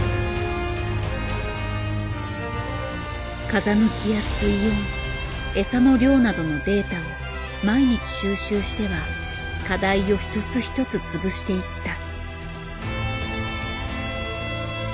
風向きや水温餌の量などのデータを毎日収集しては課題を一つ一つ潰していった。